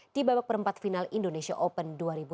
di babak perempat final indonesia open dua ribu delapan belas